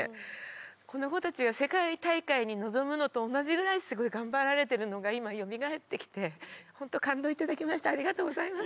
この子たちが世界大会に臨むのと同じぐらいスゴい頑張られてるのが今よみがえってきて本当感動を頂きましたありがとうございます。